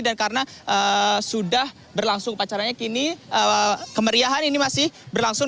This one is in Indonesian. dan karena sudah berlangsung upacaranya kini kemeriahan ini masih berlangsung